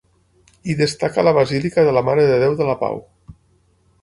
Hi destaca la basílica de la Mare de Déu de la Pau.